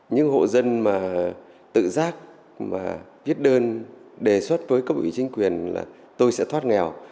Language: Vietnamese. những hộ dân mà tự giác mà viết đơn đề xuất với cấp ủy chính quyền là tôi sẽ thoát nghèo